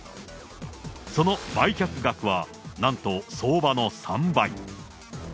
その売却額はなんと相場の３倍。